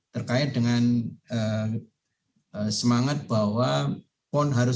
terkait dengan semangat bahwa pon harus